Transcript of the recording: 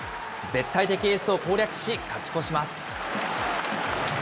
絶対的エースを攻略し、勝ち越します。